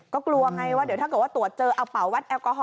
ก็กลัวไงว่าเดี๋ยวถ้าเจอเอาเป่าวัดแอลกอฮอล์